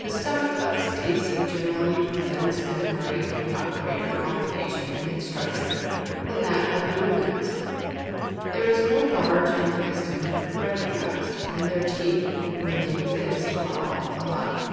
The stomach of the Cetacea generally presents as great, if not greater, complication in its structure, than that of the Ruminants. There is no large intestine recognised, and their teeth, when they exist, are all alike.